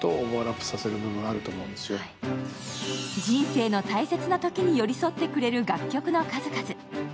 人生の大切なときに寄り添ってくれる楽曲の数々。